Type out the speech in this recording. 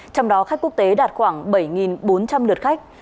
trong đó khách quốc tế đạt khoảng bảy bốn trăm linh lượt khách